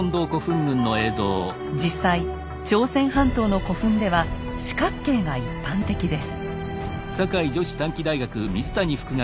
実際朝鮮半島の古墳では四角形が一般的です。